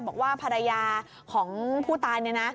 บอกว่าภรรยาของผู้ตายเนี่ยนะ